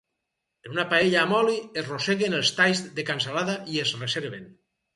En una paella amb oli, es rossegen els talls de cansalada i es reserven.